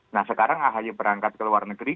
nah sekarang ahy berangkat ke luar negeri